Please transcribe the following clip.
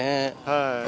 はい。